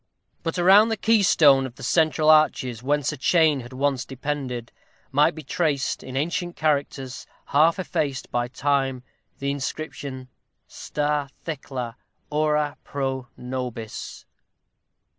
But around the keystone of the central arches, whence a chain had once depended, might be traced in ancient characters, half effaced by time, the inscription: STA. THECLA ORA PRO NOBIS.